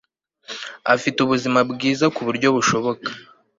afite ubuzima bwiza ku buryo bushoboka